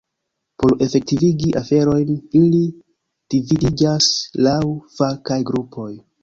Por efektivigi aferojn, ili dividiĝas laŭ fakaj grupoj.